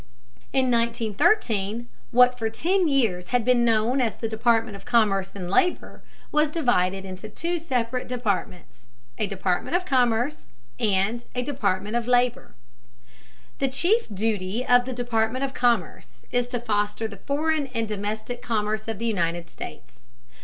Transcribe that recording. In 1913 what for ten years had been known as the Department of Commerce and Labor was divided into two separate departments, a Department of Commerce and a Department of Labor. The chief duty of the Department of Commerce is to foster the foreign and domestic commerce of the United States.